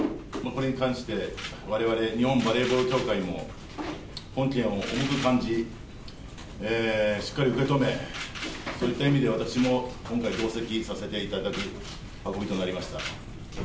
これに関して、われわれ日本バレーボール協会も、本件を重く感じ、しっかり受け止め、そういった意味で私も、今回同席させていただく運びとなりました。